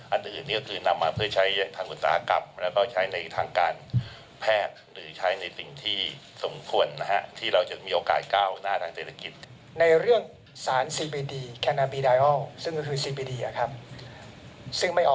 อันอื่นก็คือนำมาเพื่อใช้ทางอุตสาหกรรม